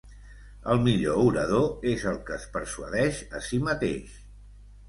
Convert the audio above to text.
El millor orador és el que es persuadeix a si mateix.